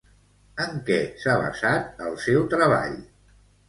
En què s'ha basat el seu treball?